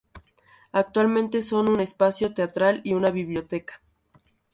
Actualmente son un espacio teatral y una biblioteca.